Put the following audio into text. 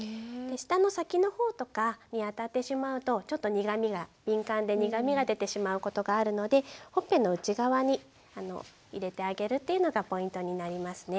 舌の先の方とかに当たってしまうとちょっと苦みが敏感で苦みが出てしまうことがあるのでほっぺの内側に入れてあげるというのがポイントになりますね。